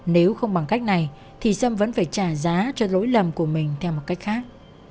nếu không bằng cách này thì sâm vẫn phải trả giá cho lỗi lầm của mình theo một cách khác